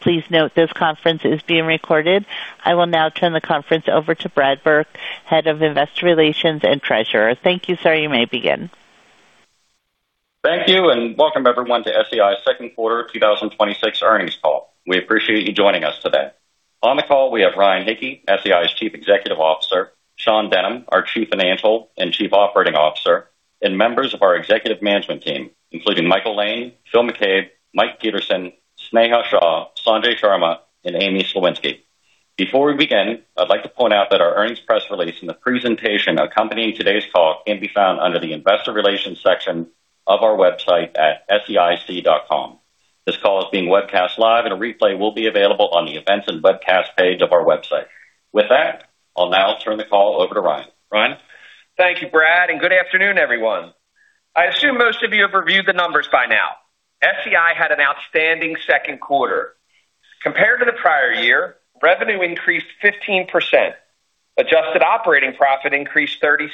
Please note this conference is being recorded. I will now turn the conference over to Brad Burke, Head of Investor Relations and Treasurer. Thank you, sir. You may begin. Thank you. Welcome everyone to SEI's second quarter 2026 earnings call. We appreciate you joining us today. On the call, we have Ryan Hicke, SEI's Chief Executive Officer, Sean Denham, our Chief Financial and Chief Operating Officer, and members of our executive management team, including Michael Lane, Phil McCabe, Michael Peterson, Sneha Shah, Sanjay Sharma, and Amy Sliwinski. Before we begin, I'd like to point out that our earnings press release and the presentation accompanying today's call can be found under the investor relations section of our website at seic.com. This call is being webcast live. A replay will be available on the events and webcast page of our website. With that, I'll now turn the call over to Ryan. Ryan? Thank you, Brad. Good afternoon, everyone. I assume most of you have reviewed the numbers by now. SEI had an outstanding second quarter. Compared to the prior year, revenue increased 15%, adjusted operating profit increased 36%,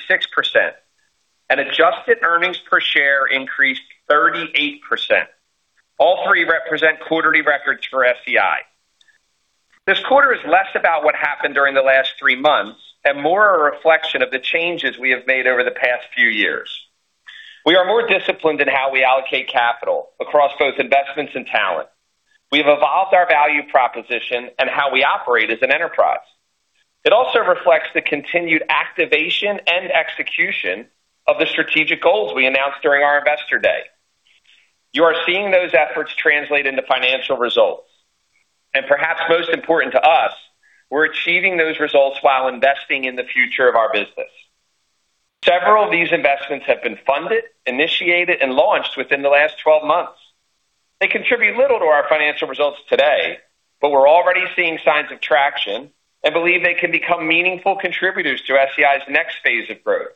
and adjusted earnings per share increased 38%. All three represent quarterly records for SEI. This quarter is less about what happened during the last three months and more a reflection of the changes we have made over the past few years. We are more disciplined in how we allocate capital across both investments and talent. We've evolved our value proposition and how we operate as an enterprise. It also reflects the continued activation and execution of the strategic goals we announced during our investor day. You are seeing those efforts translate into financial results. Perhaps most important to us, we're achieving those results while investing in the future of our business. Several of these investments have been funded, initiated, and launched within the last 12 months. They contribute little to our financial results today. We're already seeing signs of traction and believe they can become meaningful contributors to SEI's next phase of growth.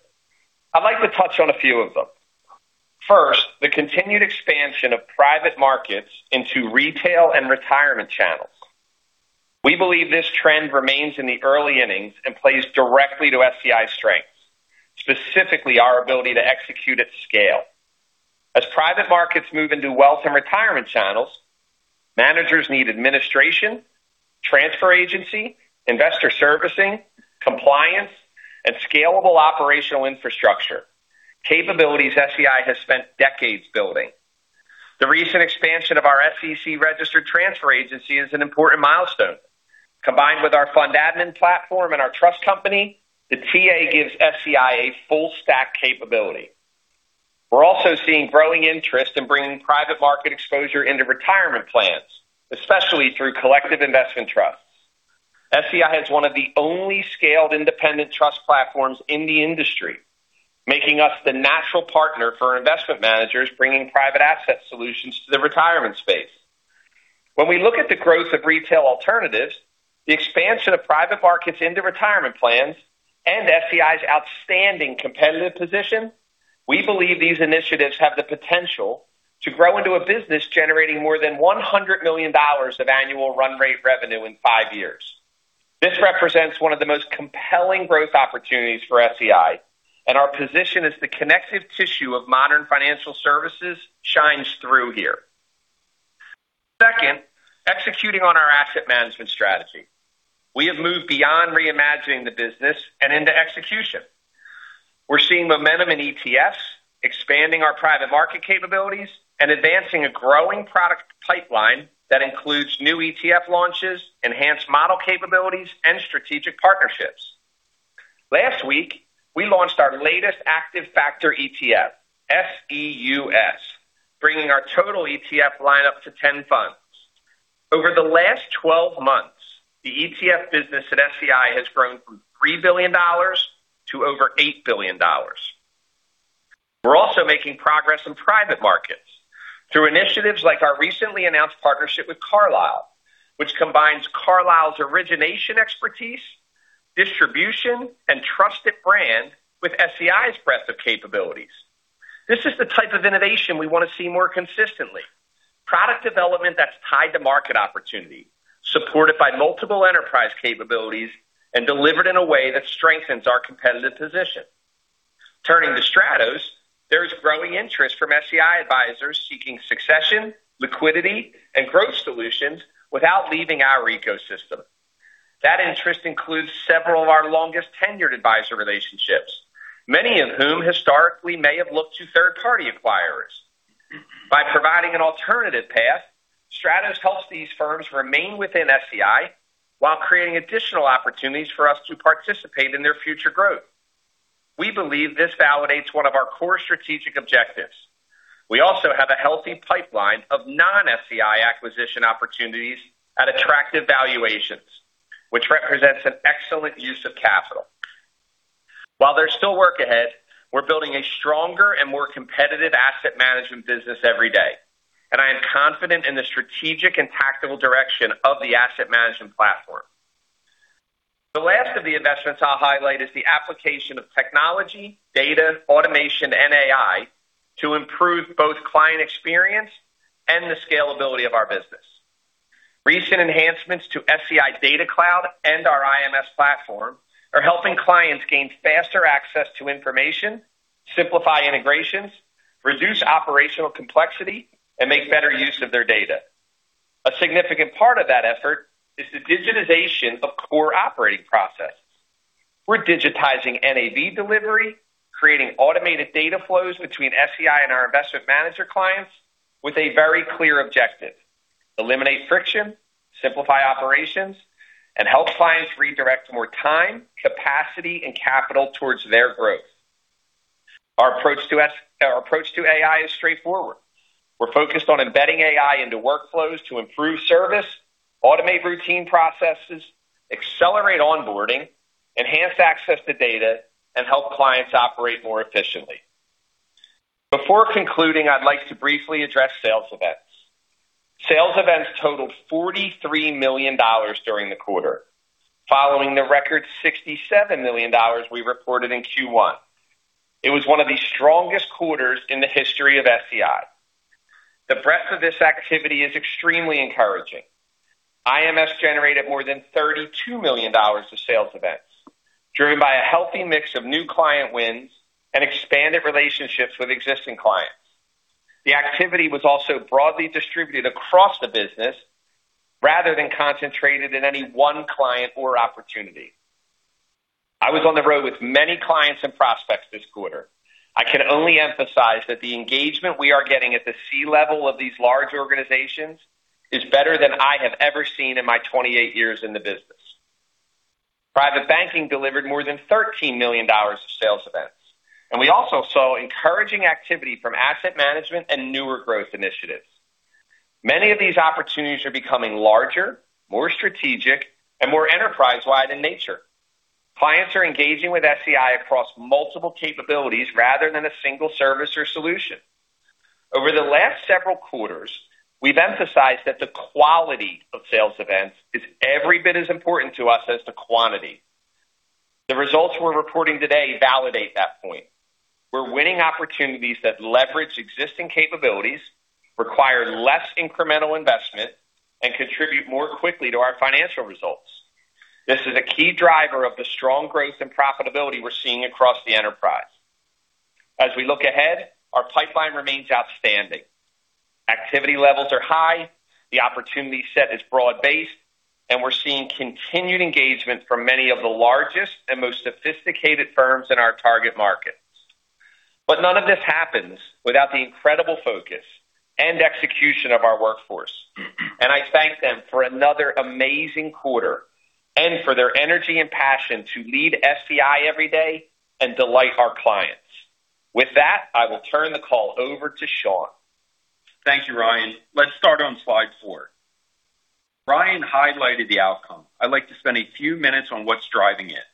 I'd like to touch on a few of them. First, the continued expansion of private markets into retail and retirement channels. We believe this trend remains in the early innings and plays directly to SEI's strengths, specifically our ability to execute at scale. As private markets move into wealth and retirement channels, managers need administration, transfer agency, investor servicing, compliance, and scalable operational infrastructure, capabilities SEI has spent decades building. The recent expansion of our SEC-registered transfer agency is an important milestone. Combined with our fund admin platform and our trust company, the TA gives SEI a full-stack capability. We're also seeing growing interest in bringing private market exposure into retirement plans, especially through collective investment trusts. SEI has one of the only scaled independent trust platforms in the industry, making us the natural partner for investment managers bringing private asset solutions to the retirement space. When we look at the growth of retail alternatives, the expansion of private markets into retirement plans, and SEI's outstanding competitive position, we believe these initiatives have the potential to grow into a business generating more than $100 million of annual run rate revenue in five years. This represents one of the most compelling growth opportunities for SEI, our position as the connective tissue of modern financial services shines through here. Second, executing on our asset management strategy. We have moved beyond reimagining the business and into execution. We're seeing momentum in ETFs, expanding our private market capabilities, and advancing a growing product pipeline that includes new ETF launches, enhanced model capabilities, and strategic partnerships. Last week, we launched our latest active factor ETF, SEUS, bringing our total ETF lineup to 10 funds. Over the last 12 months, the ETF business at SEI has grown from $3 billion to over $8 billion. We're also making progress in private markets through initiatives like our recently announced partnership with Carlyle, which combines Carlyle's origination expertise, distribution, and trusted brand with SEI's breadth of capabilities. This is the type of innovation we want to see more consistently. Product development that's tied to market opportunity, supported by multiple enterprise capabilities, and delivered in a way that strengthens our competitive position. Turning to Stratos, there is growing interest from SEI advisors seeking succession, liquidity, and growth solutions without leaving our ecosystem. That interest includes several of our longest-tenured advisor relationships, many of whom historically may have looked to third-party acquirers. By providing an alternative path, Stratos helps these firms remain within SEI while creating additional opportunities for us to participate in their future growth. We believe this validates one of our core strategic objectives. We also have a healthy pipeline of non-SEI acquisition opportunities at attractive valuations, which represents an excellent use of capital. While there's still work ahead, we're building a stronger and more competitive asset management business every day, I am confident in the strategic and tactical direction of the asset management platform. The last of the investments I'll highlight is the application of technology, data, automation, and AI to improve both client experience and the scalability of our business. Recent enhancements to SEI Data Cloud and our IMS platform are helping clients gain faster access to information, simplify integrations, reduce operational complexity and make better use of their data. A significant part of that effort is the digitization of core operating process. We're digitizing NAV delivery, creating automated data flows between SEI and our investment manager clients with a very clear objective. Eliminate friction, simplify operations, and help clients redirect more time, capacity, and capital towards their growth. Our approach to AI is straightforward. We're focused on embedding AI into workflows to improve service, automate routine processes, accelerate onboarding, enhance access to data, and help clients operate more efficiently. Before concluding, I'd like to briefly address sales events. Sales events totaled $43 million during the quarter, following the record $67 million we reported in Q1. It was one of the strongest quarters in the history of SEI. The breadth of this activity is extremely encouraging. IMS generated more than $32 million of sales events, driven by a healthy mix of new client wins and expanded relationships with existing clients. The activity was also broadly distributed across the business rather than concentrated in any one client or opportunity. I was on the road with many clients and prospects this quarter. I can only emphasize that the engagement we are getting at the C-level of these large organizations is better than I have ever seen in my 28 years in the business. Private Banking delivered more than $13 million of sales events, and we also saw encouraging activity from Asset Management and newer growth initiatives. Many of these opportunities are becoming larger, more strategic, and more enterprise-wide in nature. Clients are engaging with SEI across multiple capabilities rather than a single service or solution. Over the last several quarters, we've emphasized that the quality of sales events is every bit as important to us as the quantity. The results we're reporting today validate that point. We're winning opportunities that leverage existing capabilities, require less incremental investment, and contribute more quickly to our financial results. This is a key driver of the strong growth and profitability we're seeing across the enterprise. As we look ahead, our pipeline remains outstanding. Activity levels are high, the opportunity set is broad-based, and we're seeing continued engagement from many of the largest and most sophisticated firms in our target markets. None of this happens without the incredible focus and execution of our workforce, and I thank them for another amazing quarter and for their energy and passion to lead SEI every day and delight our clients. With that, I will turn the call over to Sean. Thank you, Ryan. Let's start on slide four. Ryan highlighted the outcome. I'd like to spend a few minutes on what's driving it.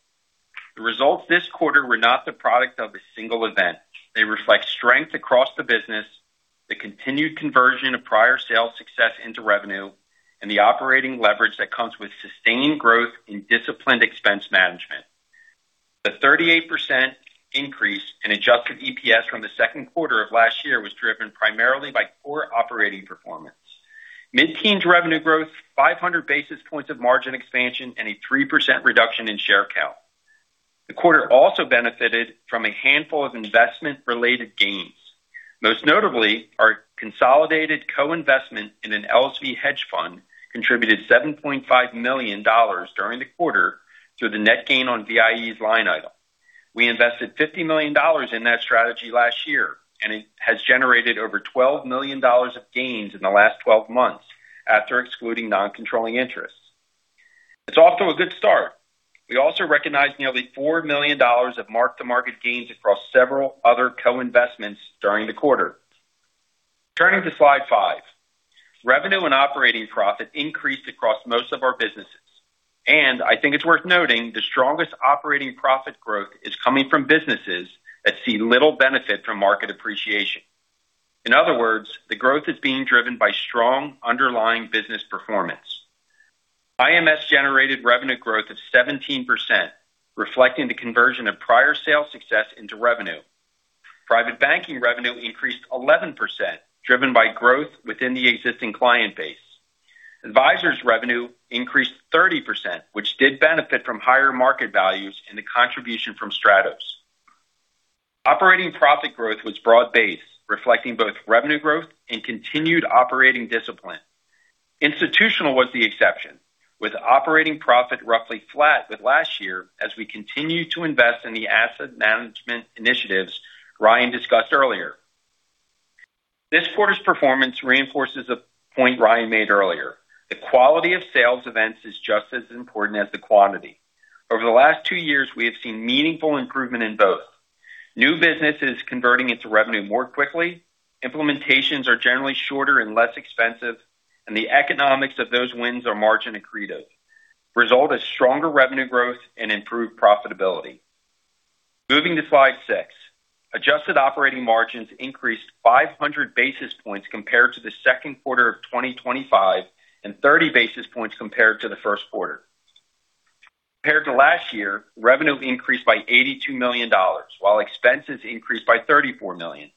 The results this quarter were not the product of a single event. They reflect strength across the business, the continued conversion of prior sales success into revenue, and the operating leverage that comes with sustaining growth in disciplined expense management. The 38% increase in adjusted EPS from the second quarter of last year was driven primarily by core operating performance. Mid-teens revenue growth, 500 basis points of margin expansion, and a 3% reduction in share count. The quarter also benefited from a handful of investment-related gains. Most notably, our consolidated co-investment in an LSV hedge fund contributed $7.5 million during the quarter through the net gain on VIEs line item. We invested $50 million in that strategy last year, and it has generated over $12 million of gains in the last 12 months after excluding non-controlling interests. It's off to a good start. We also recognized nearly $4 million of mark-to-market gains across several other co-investments during the quarter. Turning to slide five. Revenue and operating profit increased across most of our businesses. I think it's worth noting the strongest operating profit growth is coming from businesses that see little benefit from market appreciation. In other words, the growth is being driven by strong underlying business performance. IMS generated revenue growth of 17%, reflecting the conversion of prior sales success into revenue. Private Banking revenue increased 11%, driven by growth within the existing client base. Advisors revenue increased 30%, which did benefit from higher market values and the contribution from Stratos. Operating profit growth was broad-based, reflecting both revenue growth and continued operating discipline. Institutional was the exception, with operating profit roughly flat with last year as we continue to invest in the asset management initiatives Ryan discussed earlier. This quarter's performance reinforces a point Ryan made earlier. The quality of sales events is just as important as the quantity. Over the last two years, we have seen meaningful improvement in both. New business is converting into revenue more quickly, implementations are generally shorter and less expensive, and the economics of those wins are margin accretive. The result is stronger revenue growth and improved profitability. Moving to slide six. Adjusted operating margins increased 500 basis points compared to the second quarter of 2025 and 30 basis points compared to the first quarter. Compared to last year, revenue increased by $82 million, while expenses increased by $34 million.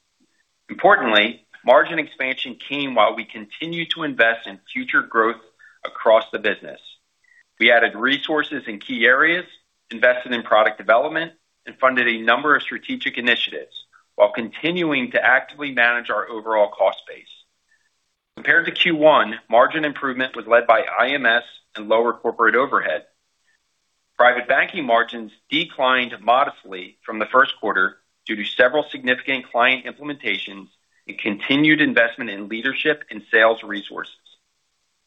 Importantly, margin expansion came while we continued to invest in future growth across the business. We added resources in key areas, invested in product development, and funded a number of strategic initiatives while continuing to actively manage our overall cost base. Compared to Q1, margin improvement was led by IMS and lower corporate overhead. Private banking margins declined modestly from the first quarter due to several significant client implementations and continued investment in leadership and sales resources.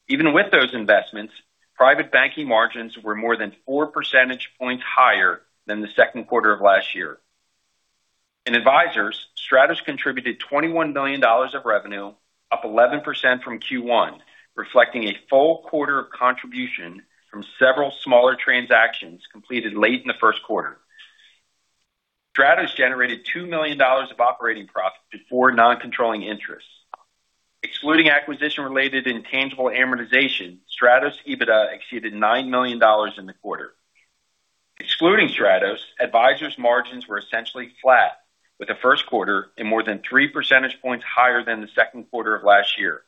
Even with those investments, private banking margins were more than four percentage points higher than the second quarter of last year. In Advisors, Stratos contributed $21 million of revenue, up 11% from Q1, reflecting a full quarter of contribution from several smaller transactions completed late in the first quarter. Stratos generated $2 million of operating profit before non-controlling interests. Excluding acquisition-related intangible amortization, Stratos' EBITDA exceeded $9 million in the quarter. Excluding Stratos, Advisors margins were essentially flat with the first quarter and more than three percentage points higher than the second quarter of last year.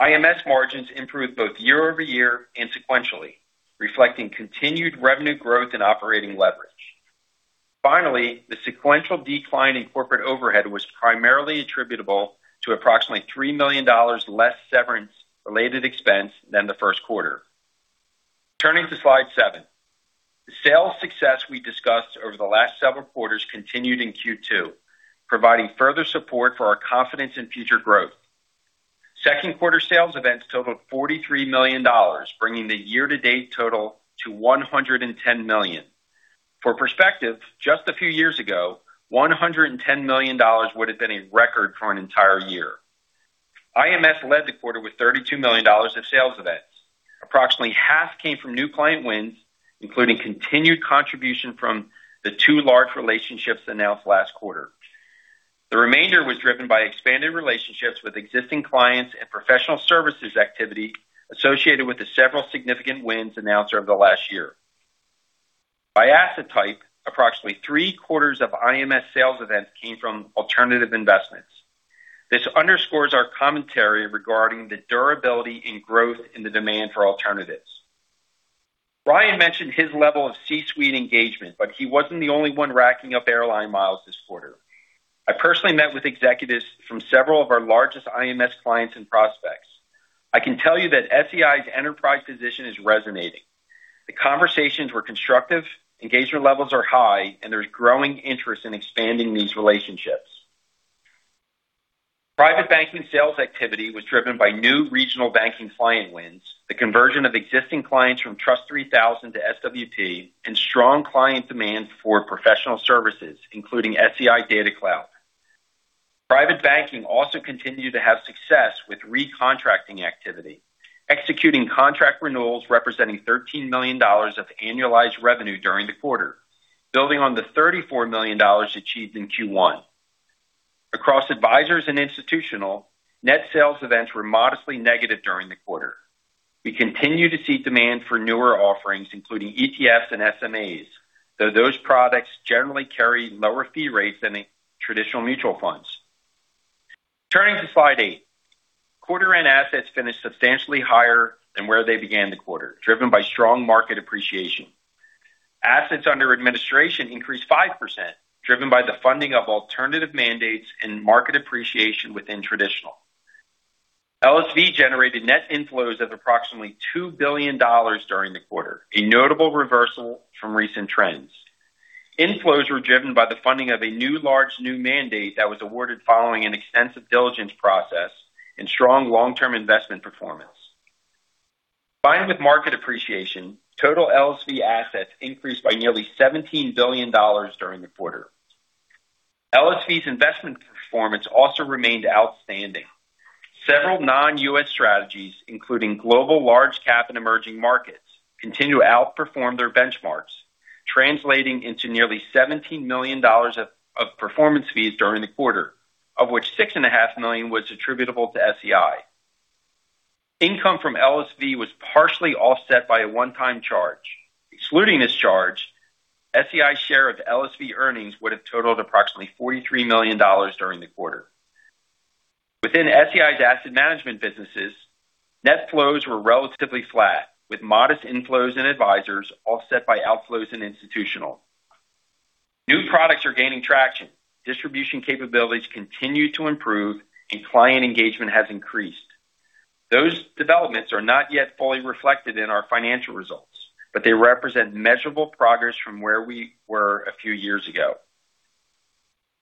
IMS margins improved both year-over-year and sequentially, reflecting continued revenue growth and operating leverage. Finally, the sequential decline in corporate overhead was primarily attributable to approximately $3 million less severance-related expense than the first quarter. Turning to slide seven. The sales success we discussed over the last several quarters continued in Q2, providing further support for our confidence in future growth. Second quarter sales events totaled $43 million, bringing the year-to-date total to $110 million. For perspective, just a few years ago, $110 million would have been a record for an entire year. IMS led the quarter with $32 million of sales events. Approximately half came from new client wins, including continued contribution from the two large relationships announced last quarter. The remainder was driven by expanded relationships with existing clients and professional services activity associated with the several significant wins announced over the last year. By asset type, approximately three-quarters of IMS sales events came from alternative investments. This underscores our commentary regarding the durability and growth in the demand for alternatives. Ryan mentioned his level of C-suite engagement, but he wasn't the only one racking up airline miles this quarter. I personally met with executives from several of our largest IMS clients and prospects. I can tell you that SEI's enterprise position is resonating. The conversations were constructive, engagement levels are high, and there's growing interest in expanding these relationships. Private banking sales activity was driven by new regional banking client wins, the conversion of existing clients from TRUST 3000 to SWP, and strong client demand for professional services, including SEI Data Cloud. Private banking also continued to have success with recontracting activity, executing contract renewals representing $13 million of annualized revenue during the quarter, building on the $34 million achieved in Q1. Across Advisors and Institutional, net sales events were modestly negative during the quarter. We continue to see demand for newer offerings, including ETFs and SMAs, though those products generally carry lower fee rates than traditional mutual funds. Turning to slide eight. Quarter-end assets finished substantially higher than where they began the quarter, driven by strong market appreciation. Assets under administration increased 5%, driven by the funding of alternative mandates and market appreciation within traditional. LSV generated net inflows of approximately $2 billion during the quarter, a notable reversal from recent trends. Inflows were driven by the funding of a new large new mandate that was awarded following an extensive diligence process and strong long-term investment performance. Combined with market appreciation, total LSV assets increased by nearly $17 billion during the quarter. LSV's investment performance also remained outstanding. Several non-U.S. strategies, including global large cap and emerging markets, continue to outperform their benchmarks, translating into nearly $17 million of performance fees during the quarter, of which $6.5 million was attributable to SEI. Income from LSV was partially offset by a one-time charge. Excluding this charge, SEI's share of LSV earnings would have totaled approximately $43 million during the quarter. Within SEI's asset management businesses, net flows were relatively flat, with modest inflows in Advisors offset by outflows in Institutional. New products are gaining traction, distribution capabilities continue to improve, and client engagement has increased. Those developments are not yet fully reflected in our financial results, but they represent measurable progress from where we were a few years ago.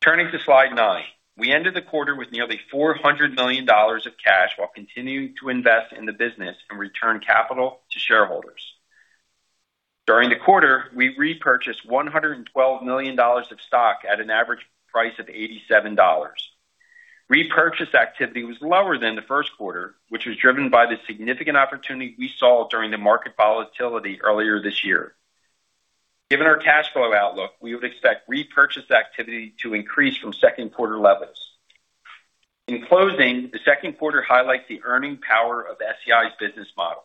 Turning to slide nine. We ended the quarter with nearly $400 million of cash while continuing to invest in the business and return capital to shareholders. During the quarter, we repurchased $112 million of stock at an average price of $87. Repurchase activity was lower than the first quarter, which was driven by the significant opportunity we saw during the market volatility earlier this year. Given our cash flow outlook, we would expect repurchase activity to increase from second quarter levels. In closing, the second quarter highlights the earning power of SEI's business model.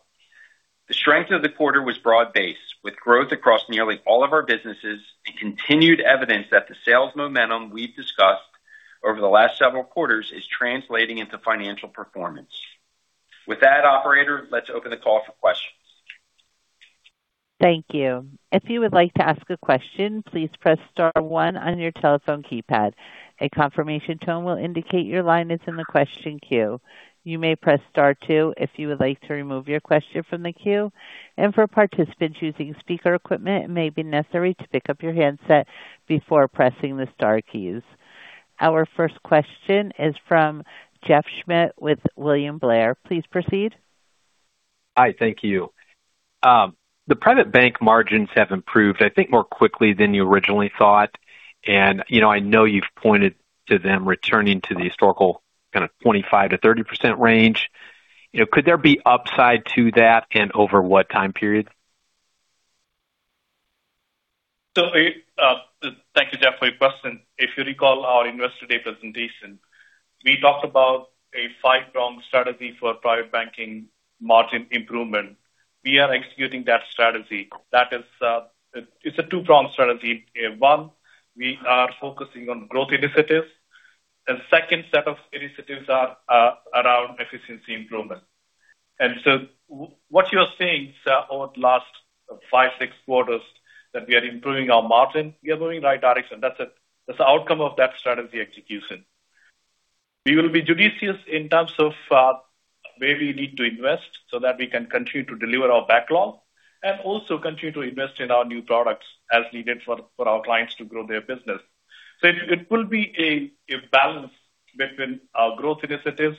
The strength of the quarter was broad-based with growth across nearly all of our businesses and continued evidence that the sales momentum we've discussed over the last several quarters is translating into financial performance. With that, operator, let's open the call for questions. Thank you. If you would like to ask a question, please press star one on your telephone keypad. A confirmation tone will indicate your line is in the question queue. You may press star two if you would like to remove your question from the queue, and for participants using speaker equipment, it may be necessary to pick up your handset before pressing the star keys. Our first question is from Jeff Schmitt with William Blair. Please proceed. Hi, thank you. The private bank margins have improved, I think, more quickly than you originally thought. I know you've pointed to them returning to the historical kind of 25%-30% range. Could there be upside to that, and over what time period? Thank you, Jeff, for your question. If you recall our Investor Day presentation, we talked about a five-prong strategy for private banking margin improvement. We are executing that strategy. That is, it's a two-prong strategy. One, we are focusing on growth initiatives, and second set of initiatives are around efficiency improvement. What you are seeing is over the last five, six quarters that we are improving our margin. We are going right direction. That's the outcome of that strategy execution. We will be judicious in terms of where we need to invest so that we can continue to deliver our backlog and also continue to invest in our new products as needed for our clients to grow their business. It will be a balance between our growth initiatives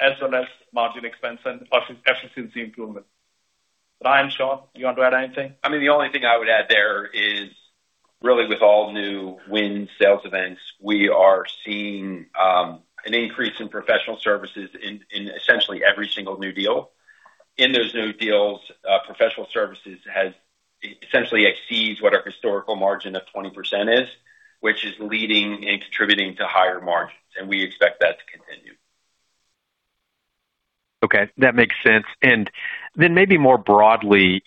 as well as margin expense and efficiency improvement. Ryan, Sean, you want to add anything? I mean, the only thing I would add there is really with all new win sales events, we are seeing an increase in professional services in essentially every single new deal. In those new deals, professional services has essentially exceeds what our historical margin of 20% is, which is leading and contributing to higher margins, and we expect that to continue. Okay, that makes sense. Then maybe more broadly,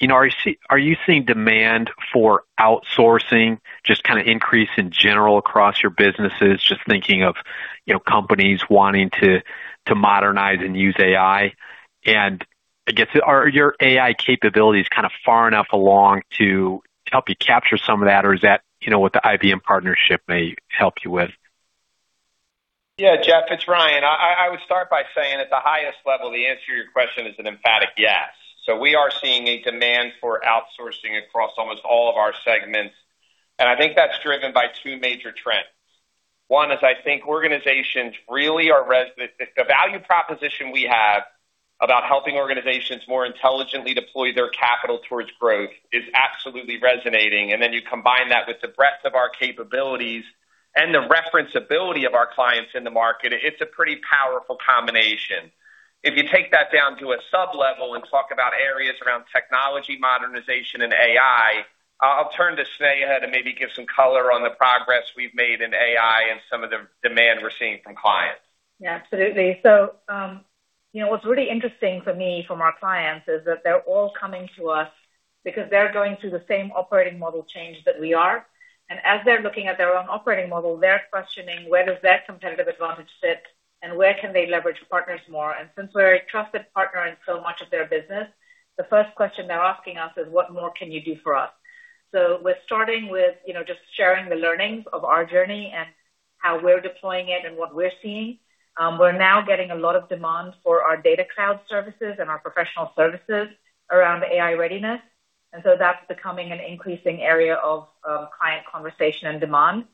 are you seeing demand for outsourcing just kind of increase in general across your businesses, just thinking of companies wanting to modernize and use AI? I guess are your AI capabilities kind of far enough along to help you capture some of that, or is that what the IBM partnership may help you with? Yeah, Jeff, it's Ryan. I would start by saying at the highest level, the answer to your question is an emphatic yes. We are seeing a demand for outsourcing across almost all of our segments, I think that's driven by two major trends. One is I think organizations really are the value proposition we have about helping organizations more intelligently deploy their capital towards growth is absolutely resonating, then you combine that with the breadth of our capabilities and the reference-ability of our clients in the market. It's a pretty powerful combination. If you take that down to a sub-level and talk about areas around technology modernization and AI, I'll turn to Sneha to maybe give some color on the progress we've made in AI and some of the demand we're seeing from clients. Yeah, absolutely. What's really interesting for me from our clients is that they're all coming to us because they're going through the same operating model change that we are. As they're looking at their own operating model, they're questioning where does their competitive advantage sit and where can they leverage partners more. Since we're a trusted partner in so much of their business, the first question they're asking us is, what more can you do for us? We're starting with just sharing the learnings of our journey and how we're deploying it and what we're seeing. We're now getting a lot of demand for our SEI Data Cloud services and our professional services around AI readiness. That's becoming an increasing area of client conversation and demand,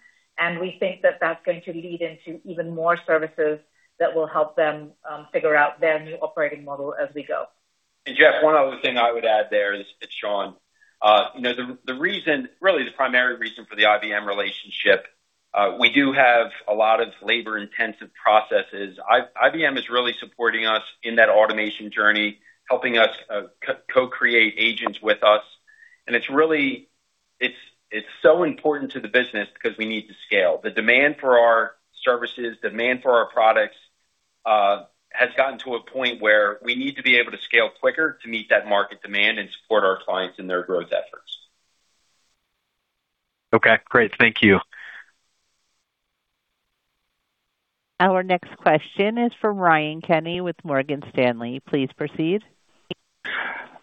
we think that that's going to lead into even more services that will help them figure out their new operating model as we go. Jeff, one other thing I would add there is, it's Sean. The reason, really the primary reason for the IBM relationship, we do have a lot of labor-intensive processes. IBM is really supporting us in that automation journey, helping us co-create agents with us. It's really so important to the business because we need to scale. The demand for our services, demand for our products, has gotten to a point where we need to be able to scale quicker to meet that market demand and support our clients in their growth efforts. Okay, great. Thank you. Our next question is from Ryan Kenny with Morgan Stanley. Please proceed.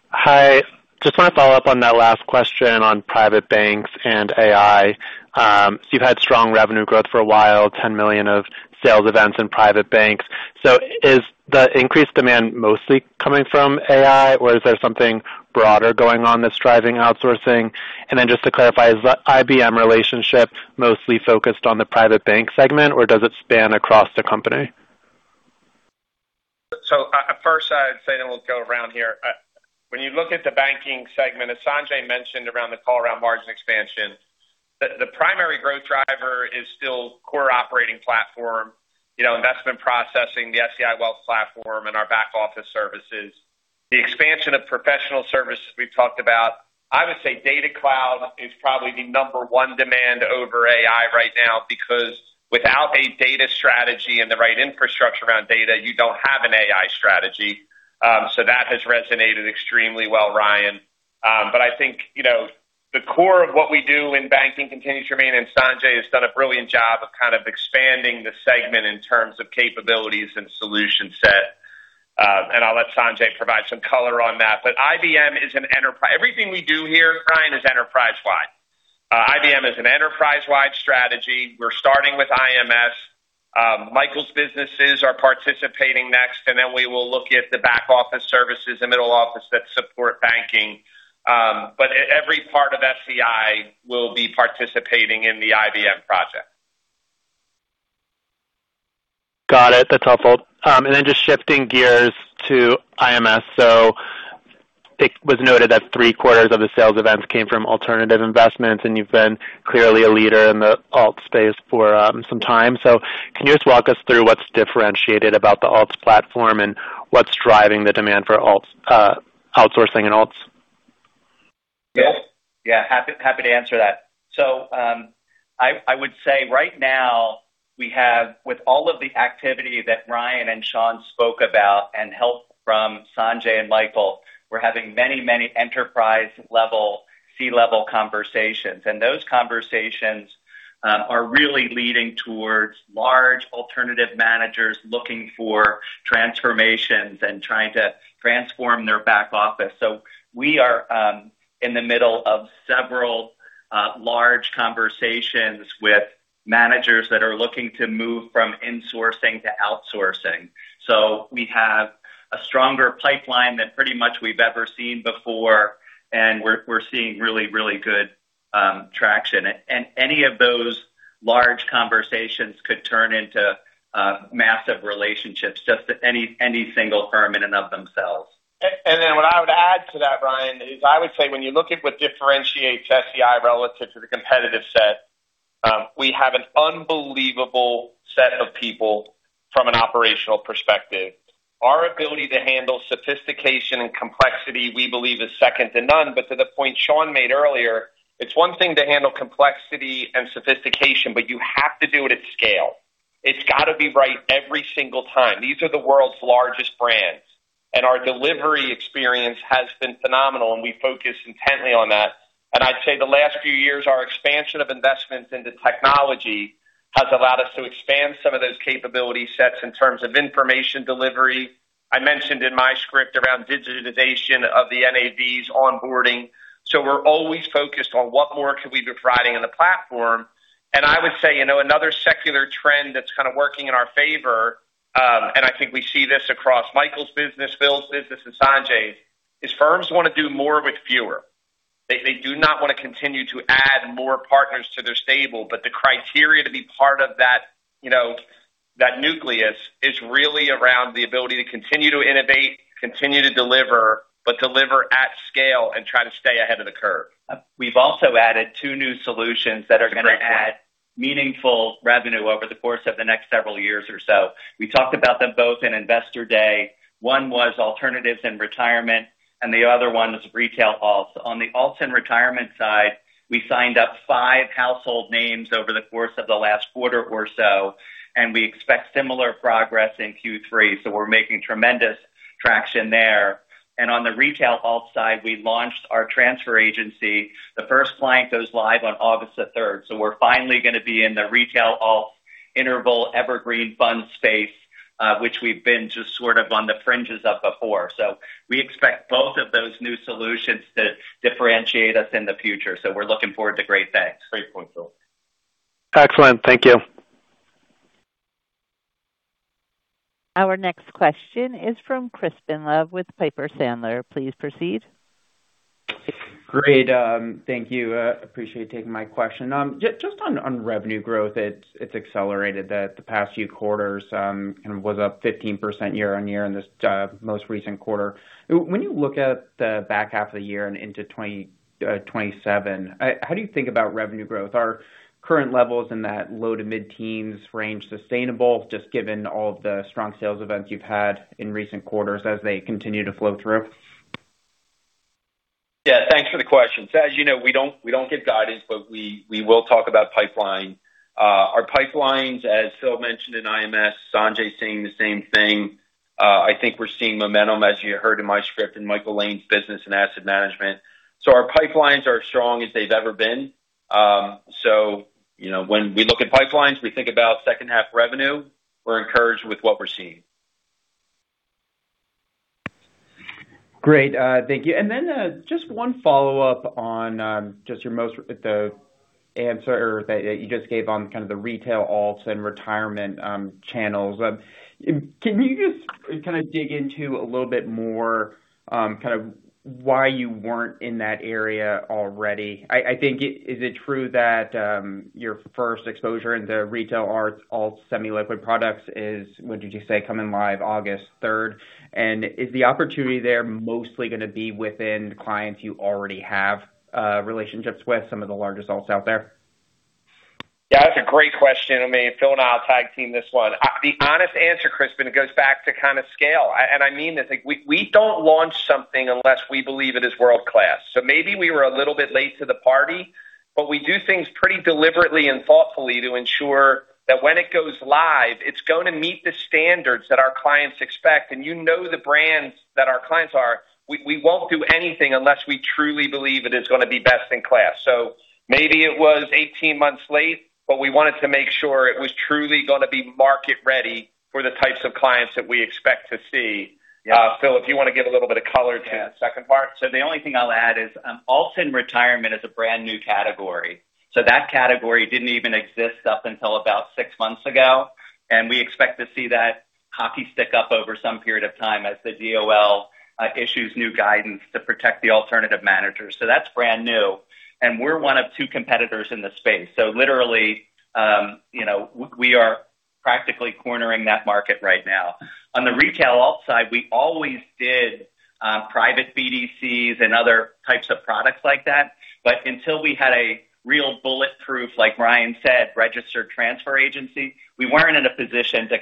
Hi. Just want to follow up on that last question on private banks and AI. You've had strong revenue growth for a while, $10 million of sales events in private banks. Is the increased demand mostly coming from AI, or is there something broader going on that's driving outsourcing? Then just to clarify, is the IBM relationship mostly focused on the private bank segment, or does it span across the company? First I'd say we'll go around here. When you look at the banking segment, as Sanjay mentioned around the call around margin expansion, the primary growth driver is still core operating platform, investment processing, the SEI Wealth Platform, and our back office services. The expansion of professional services we've talked about. I would say SEI Data Cloud is probably the number one demand over AI right now because without a data strategy and the right infrastructure around data, you don't have an AI strategy. That has resonated extremely well, Ryan. The core of what we do in banking continues to remain, and Sanjay has done a brilliant job of expanding the segment in terms of capabilities and solution set. I'll let Sanjay provide some color on that. IBM is an enterprise. Everything we do here, Ryan, is enterprise-wide. IBM is an enterprise-wide strategy. We're starting with IMS. Michael's businesses are participating next, we will look at the back-office services and middle office that support banking. Every part of SEI will be participating in the IBM project. Got it. That's helpful. Just shifting gears to IMS. It was noted that three-quarters of the sales events came from alternative investments, and you've been clearly a leader in the alt space for some time. Can you just walk us through what's differentiated about the alts platform and what's driving the demand for outsourcing and alts? Yes. Yeah. Happy to answer that. I would say right now, we have, with all of the activity that Ryan and Sean spoke about and help from Sanjay and Michael, we're having many enterprise-level, C-level conversations. Those conversations are really leading towards large alternative managers looking for transformations and trying to transform their back office. We are in the middle of several large conversations with managers that are looking to move from insourcing to outsourcing. We have a stronger pipeline than pretty much we've ever seen before, and we're seeing really good traction. Any of those large conversations could turn into massive relationships, just any single firm in and of themselves. What I would add to that, Ryan, is I would say, when you look at what differentiates SEI relative to the competitive set, we have an unbelievable set of people from an operational perspective. Our ability to handle sophistication and complexity, we believe, is second to none. To the point Sean made earlier, it's one thing to handle complexity and sophistication, but you have to do it at scale. It's got to be right every single time. These are the world's largest brands, and our delivery experience has been phenomenal, and we focus intently on that. I'd say the last few years, our expansion of investments into technology has allowed us to expand some of those capability sets in terms of information delivery. I mentioned in my script around digitization of the NAV onboarding. We're always focused on what more could we be providing on the platform. I would say, another secular trend that's kind of working in our favor, and I think we see this across Michael's business, Phil's business, and Sanjay's, is firms want to do more with fewer. They do not want to continue to add more partners to their stable, but the criteria to be part of that nucleus is really around the ability to continue to innovate, continue to deliver, but deliver at scale and try to stay ahead of the curve. We've also added two new solutions that are. That's a great point. going to add meaningful revenue over the course of the next several years or so. We talked about them both in Investor Day. One was alternatives and retirement, and the other one was retail alts. On the alts and retirement side, we signed up five household names over the course of the last quarter or so, and we expect similar progress in Q3. We're making tremendous traction there. On the retail alts side, we launched our transfer agency. The first client goes live on August the 3rd, so we're finally going to be in the retail alts interval evergreen fund space, which we've been just sort of on the fringes of before. We expect both of those new solutions to differentiate us in the future. We're looking forward to great things. Great point, Phil. Excellent. Thank you. Our next question is from Crispin Love with Piper Sandler. Please proceed. Great. Thank you. Appreciate you taking my question. Just on revenue growth, it's accelerated the past few quarters, and was up 15% year-over-year in this most recent quarter. When you look at the back half of the year and into 2027, how do you think about revenue growth? Are current levels in that low to mid-teens range sustainable, just given all of the strong sales events you've had in recent quarters as they continue to flow through? Yeah. Thanks for the question. As you know, we don't give guidance, but we will talk about pipeline. Our pipelines, as Phil mentioned in IMS, Sanjay is saying the same thing. I think we're seeing momentum, as you heard in my script, in Michael Lane's business and asset management. Our pipelines are as strong as they've ever been. When we look at pipelines, we think about second-half revenue. We're encouraged with what we're seeing. Great. Thank you. Then, just one follow-up on just the answer that you just gave on kind of the retail alts and retirement channels. Can you just kind of dig into a little bit more kind of why you weren't in that area already? I think, is it true that your first exposure into retail alts semi-liquid products is, what did you say? Coming live August 3rd. Is the opportunity there mostly going to be within clients you already have relationships with, some of the larger alts out there? Yeah, that's a great question. I mean, Phil and I will tag team this one. The honest answer, Crispin, it goes back to kind of scale. I mean this, like, we don't launch something unless we believe it is world-class. Maybe we were a little bit late to the party. We do things pretty deliberately and thoughtfully to ensure that when it goes live, it's going to meet the standards that our clients expect. You know the brands that our clients are. We won't do anything unless we truly believe it is going to be best in class. Maybe it was 18 months late, but we wanted to make sure it was truly going to be market-ready for the types of clients that we expect to see. Yeah. Phil, if you want to give a little bit of color to the second part. The only thing I'll add is, alt and retirement is a brand-new category. That category didn't even exist up until about six months ago. We expect to see that hockey stick up over some period of time as the DOL issues new guidance to protect the alternative managers. That's brand new, and we're one of two competitors in the space. Literally, we are practically cornering that market right now. On the retail alt side, we always did private BDCs and other types of products like that. Until we had a real bulletproof, like Ryan said, registered transfer agency, we weren't in a position to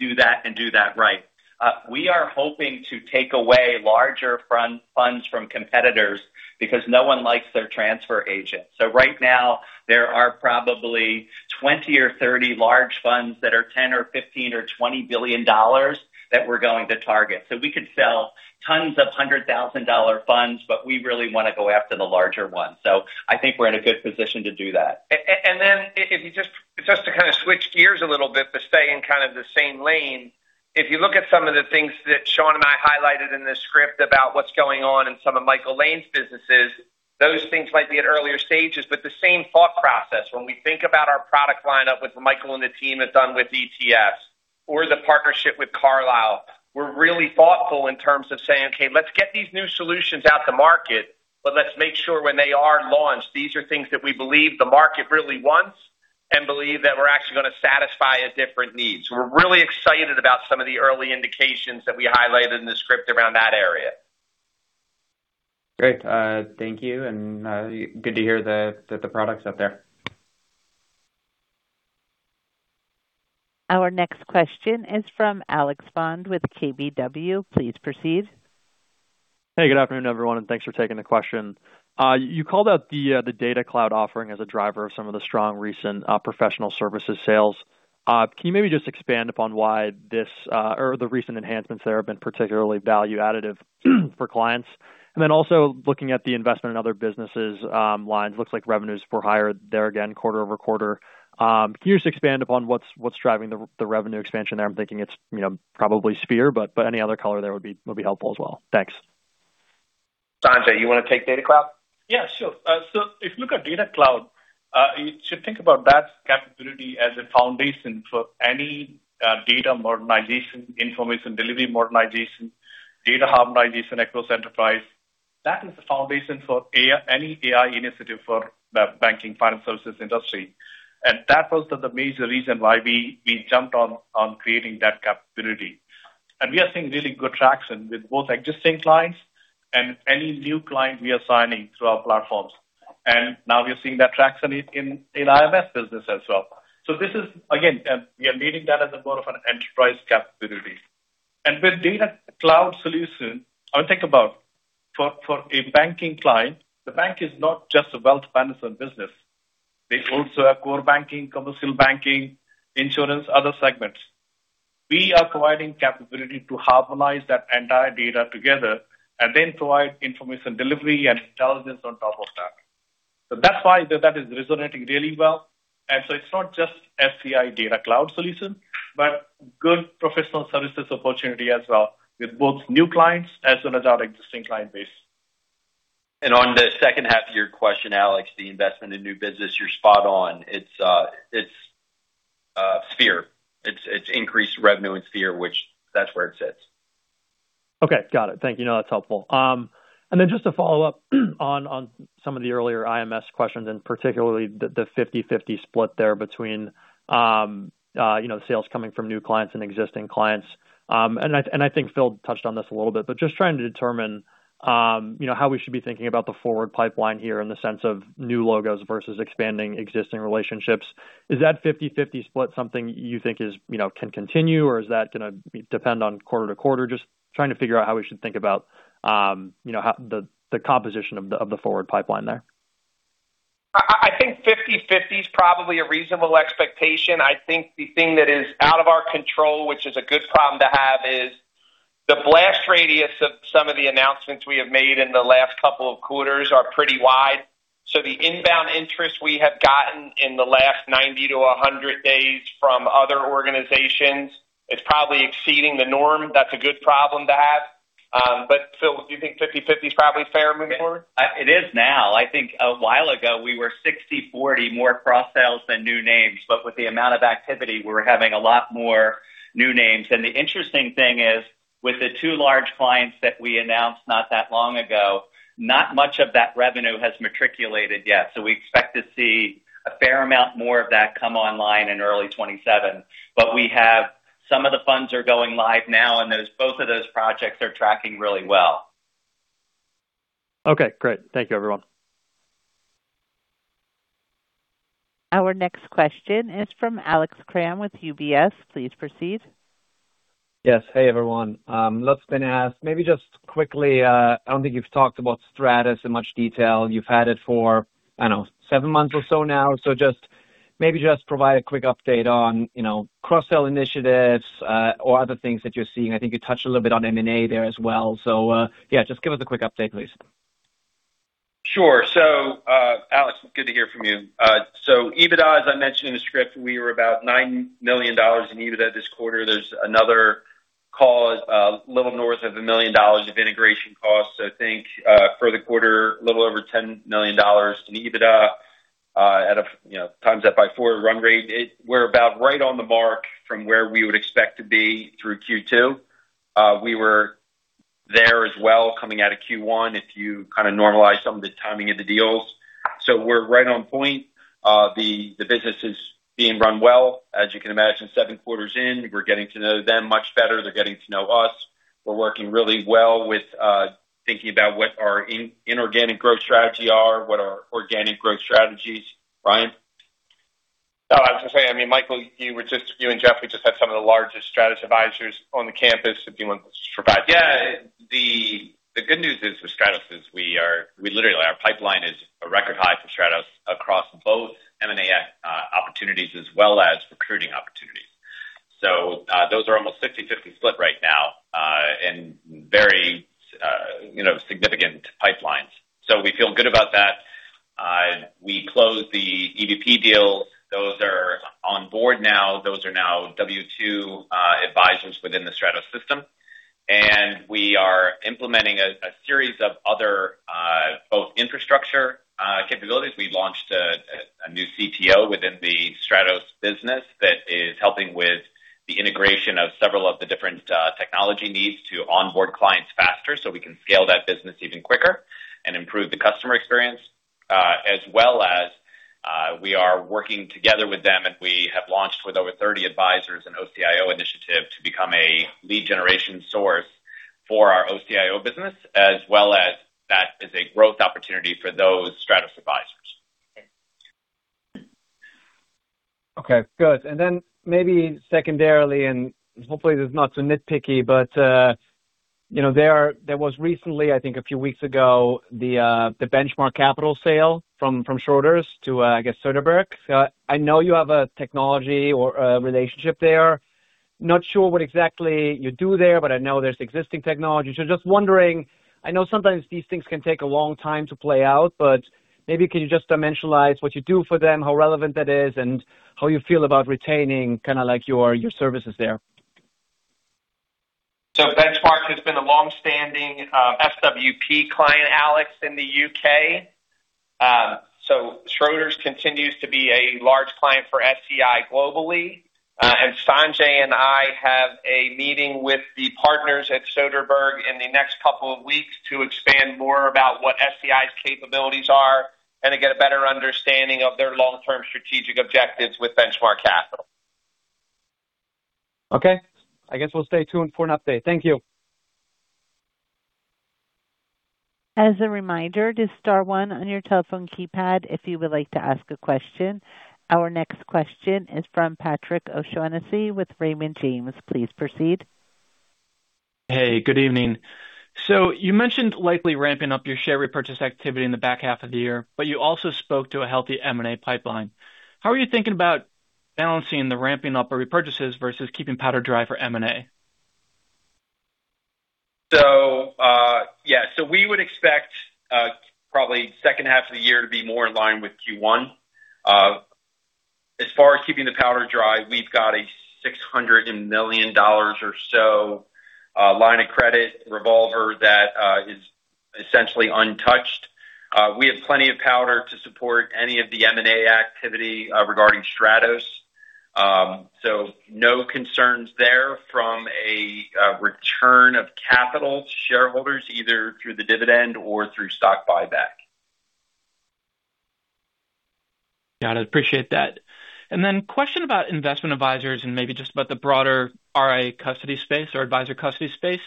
do that and do that right. We are hoping to take away larger funds from competitors because no one likes their transfer agent. Right now there are probably 20 or 30 large funds that are $10 billion or $15 billion or $20 billion that we're going to target. We could sell tons of $100,000 funds, but we really want to go after the larger ones. I think we're in a good position to do that. If you just to kind of switch gears a little bit, but stay in kind of the same lane. If you look at some of the things that Sean and I highlighted in the script about what's going on in some of Michael Lane's businesses, those things might be at earlier stages, but the same thought process when we think about our product lineup with what Michael and the team have done with ETFs or the partnership with Carlyle. We're really thoughtful in terms of saying, "Okay, let's get these new solutions out to market, but let's make sure when they are launched, these are things that we believe the market really wants and believe that we're actually going to satisfy a different need." We're really excited about some of the early indications that we highlighted in the script around that area. Great. Thank you, and good to hear that the product's out there. Our next question is from Alex Bond with KBW. Please proceed. Hey, good afternoon, everyone, and thanks for taking the question. You called out the Data Cloud offering as a driver of some of the strong recent professional services sales. Can you maybe just expand upon why the recent enhancements there have been particularly value additive for clients? Also looking at the investment in other businesses lines, looks like revenues were higher there again, quarter-over-quarter. Can you just expand upon what's driving the revenue expansion there? I'm thinking it's probably Sphere, any other color there would be helpful as well. Thanks. Sanjay, you want to take Data Cloud? If you look at SEI Data Cloud, you should think about that capability as a foundation for any data modernization, information delivery modernization, data harmonization across enterprise. That is the foundation for any AI initiative for the banking finance services industry. That was the major reason why we jumped on creating that capability. We are seeing really good traction with both existing clients and any new client we are signing through our platforms. Now we are seeing that traction in IMS business as well. This is again, we are treating that as more of an enterprise capability. With SEI Data Cloud solution, I would think about for a banking client, the bank is not just a wealth management business. They also have core banking, commercial banking, insurance, other segments. We are providing capability to harmonize that entire data together, provide information delivery and intelligence on top of that. That's why that is resonating really well. It's not just SEI Data Cloud solution, but good professional services opportunity as well with both new clients as well as our existing client base. On the second half of your question, Alex, the investment in new business, you're spot on. It's SEI Sphere. It's increased revenue in SEI Sphere, which that's where it sits. Okay, got it. Thank you. That's helpful. Just to follow up on some of the earlier IMS questions, particularly the 50/50 split there between sales coming from new clients and existing clients. I think Phil touched on this a little bit, but just trying to determine how we should be thinking about the forward pipeline here in the sense of new logos versus expanding existing relationships. Is that 50/50 split something you think can continue, or is that going to depend on quarter-to-quarter? Just trying to figure out how we should think about the composition of the forward pipeline there. I think 50/50 is probably a reasonable expectation. I think the thing that is out of our control, which is a good problem to have, is the blast radius of some of the announcements we have made in the last couple of quarters are pretty wide. The inbound interest we have gotten in the last 90 to 100 days from other organizations is probably exceeding the norm. That's a good problem to have. Phil, do you think 50/50 is probably fair moving forward? It is now. I think a while ago we were 60/40 more cross-sales than new names, with the amount of activity, we're having a lot more new names. The interesting thing is, with the two large clients that we announced not that long ago, not much of that revenue has matriculated yet. We expect to see a fair amount more of that come online in early 2027. We have some of the funds are going live now, and both of those projects are tracking really well. Okay, great. Thank you everyone. Our next question is from Alex Kramm with UBS. Please proceed. Yes. Hey, everyone. Lots been asked. Maybe just quickly, I don't think you've talked about Stratos in much detail. You've had it for, I don't know, seven months or so now. Maybe just provide a quick update on cross-sell initiatives or other things that you're seeing. I think you touched a little bit on M&A there as well. Yeah, just give us a quick update, please. Sure. Alex, good to hear from you. EBITDA, as I mentioned in the script, we were about $9 million in EBITDA this quarter. There's another call, a little north of $1 million of integration costs. I think for the quarter, a little over $10 million in EBITDA at a times that by four run rate. We're about right on the mark from where we would expect to be through Q2. We were there as well coming out of Q1, if you normalize some of the timing of the deals. We're right on point. The business is being run well. As you can imagine, seven quarters in, we're getting to know them much better. They're getting to know us. We're working really well with thinking about what our inorganic growth strategy are, what our organic growth strategies. Ryan? I was going to say, I mean, Michael, you and Jeffrey just had some of the largest Stratos advisors on the campus, if you want to provide- Yeah. The good news is with Stratos is our pipeline is a record high for Stratos across both M&A opportunities as well as recruiting opportunities. Those are almost 50/50 split right now, and very significant pipelines. We feel good about that. We closed the EDP deal. Those are on board now. Those are now W-2 advisors within the Stratos system. We are implementing a series of other both infrastructure capabilities. We launched a new CTO within the Stratos business that is helping with the integration of several of the different technology needs to onboard clients faster, so we can scale that business even quicker and improve the customer experience. As well as we are working together with them, we have launched with over 30 advisors in OCIO initiative to become a lead generation source for our OCIO business, as well as that is a growth opportunity for those Stratos advisors. Okay, good. Maybe secondarily, hopefully this is not so nitpicky, there was recently, I think a few weeks ago, the Benchmark Capital sale from Schroders to, I guess, Söderberg. I know you have a technology or a relationship there. Not sure what exactly you do there, but I know there's existing technology. Just wondering, I know sometimes these things can take a long time to play out, but maybe could you just dimensionalize what you do for them, how relevant that is, and how you feel about retaining your services there? Benchmark has been a longstanding SWP client, Alex, in the U.K. Schroders continues to be a large client for SEI globally. Sanjay and I have a meeting with the partners at Söderberg in the next couple of weeks to expand more about what SEI's capabilities are and to get a better understanding of their long-term strategic objectives with Benchmark Capital. Okay. I guess we'll stay tuned for an update. Thank you. As a reminder, just star one on your telephone keypad if you would like to ask a question. Our next question is from Patrick O'Shaughnessy with Raymond James. Please proceed. You mentioned likely ramping up your share repurchase activity in the back half of the year, but you also spoke to a healthy M&A pipeline. How are you thinking about balancing the ramping up of repurchases versus keeping powder dry for M&A? We would expect probably second half of the year to be more in line with Q1. As far as keeping the powder dry, we've got a $600 million or so line of credit revolver that is essentially untouched. We have plenty of powder to support any of the M&A activity regarding Stratos. No concerns there from a return of capital to shareholders, either through the dividend or through stock buyback. Got it. Appreciate that. Question about investment advisors and maybe just about the broader RIA custody space or advisor custody space.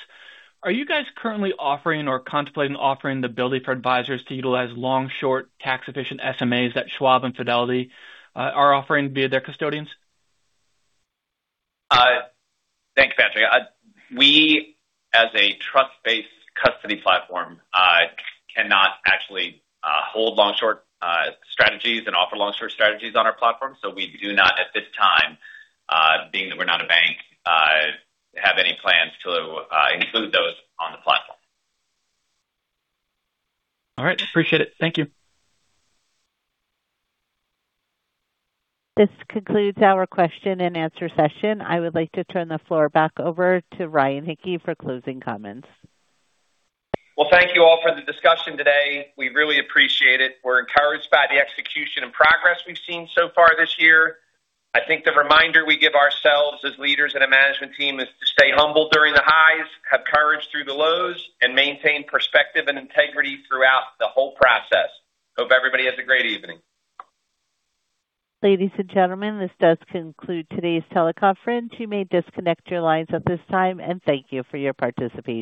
Are you guys currently offering or contemplating offering the ability for advisors to utilize long-short tax-efficient SMAs that Schwab and Fidelity are offering via their custodians? Thanks, Patrick. We, as a trust-based custody platform, cannot actually hold long-short strategies and offer long-short strategies on our platform. We do not, at this time, being that we're not a bank, have any plans to include those on the platform. All right. Appreciate it. Thank you. This concludes our question and answer session. I would like to turn the floor back over to Ryan Hicke for closing comments. Well, thank you all for the discussion today. We really appreciate it. We're encouraged by the execution and progress we've seen so far this year. I think the reminder we give ourselves as leaders and a management team is to stay humble during the highs, have courage through the lows, and maintain perspective and integrity throughout the whole process. Hope everybody has a great evening. Ladies and gentlemen, this does conclude today's teleconference. You may disconnect your lines at this time, and thank you for your participation.